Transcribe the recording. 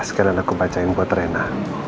sekian aku bacain buat rena